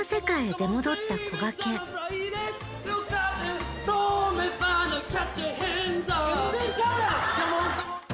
全然ちゃうやん！